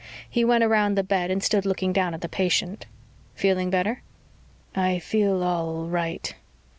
He went around the bed and stood looking down at the patient. "Feeling better?" "I feel all right."